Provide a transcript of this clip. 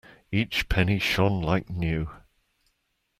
Each penny shone like new.